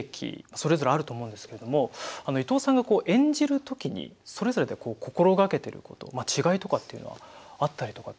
それぞれあると思うんですけども伊東さんがこう演じる時にそれぞれでこう心がけてることまあ違いとかっていうのはあったりとかってするんですか？